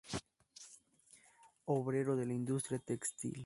Obrero de la industria textil.